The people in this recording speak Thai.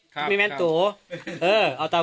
ข้าพเจ้านางสาวสุภัณฑ์หลาโภ